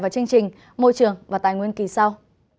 vào chương trình môi trường và tài nguyên kỳ sau